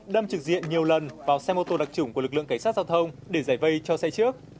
đâm trực diện nhiều lần vào xe mô tô đặc trủng của lực lượng cảnh sát giao thông để giải vây cho xe trước